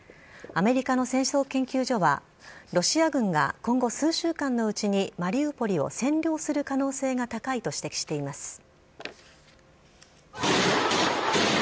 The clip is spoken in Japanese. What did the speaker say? アメリカの戦争研究所は、ロシア軍が今後数週間のうちに、マリウポリを占領する可能性が高いと指摘しています。